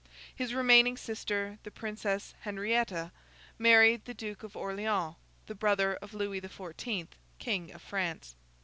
His remaining sister, the Princess Henrietta, married the Duke of Orleans, the brother of Louis the Fourteenth, King of France.